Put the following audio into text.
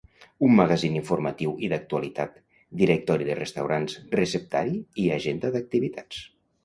Un magazín informatiu i d'actualitat, directori de restaurants, receptari i agenda d'activitats.